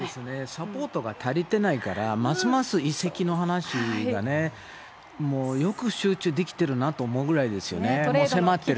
サポートが足りていないから、ますます移籍の話がね、もうよく集中できてるなと思うぐらいですよね、もう迫っているし。